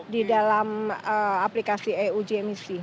di dalam aplikasi e uji emisi